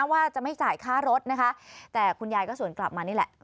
ว่าจะไม่จ่ายค่ารถนะคะแต่คุณยายก็สวนกลับมานี่แหละ